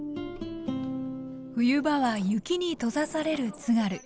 冬場は雪に閉ざされる津軽。